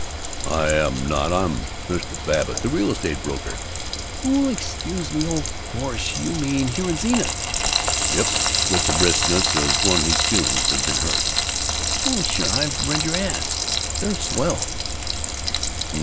"I am not! I'm Mr. Babbitt, the real estate broker!" "Oh, excuse me! Oh, of course. You mean here in Zenith." "Yep." With the briskness of one whose feelings have been hurt. "Oh, sure. I've read your ads. They're swell."